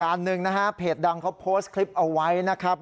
หนึ่งนะฮะเพจดังเขาโพสต์คลิปเอาไว้นะครับ